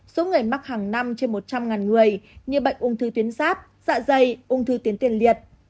số người mắc hàng năm trên một trăm linh người như bệnh uống thư tuyến sáp dạ dày uống thư tuyến tiền liệt